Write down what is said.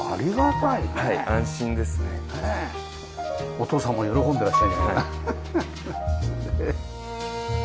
お父さんも喜んでらっしゃるんじゃない？